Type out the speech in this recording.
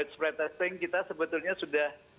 spread testing kita sebetulnya sudah